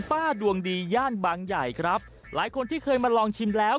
ดวงดีย่านบางใหญ่ครับหลายคนที่เคยมาลองชิมแล้ว